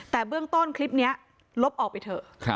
แต่เบื้องต้นคลิปนี้ลบออกไปเถอะ